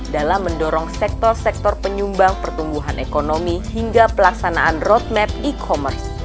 dalam mendorong sektor sektor penyumbang pertumbuhan ekonomi hingga pelaksanaan roadmap e commerce